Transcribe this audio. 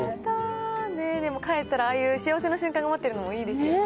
でも帰ったら、ああいう幸せな瞬間が待ってるのもいいですよね。